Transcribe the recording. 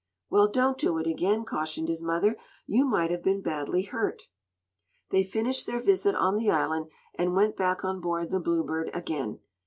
"Well, don't do it again," cautioned his mother. "You might have been badly hurt." They finished their visit on the island, and went back on board the Bluebird again.